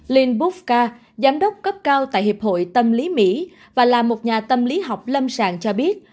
linh bookka giám đốc cấp cao tại hiệp hội tâm lý mỹ và là một nhà tâm lý học lâm sàng cho biết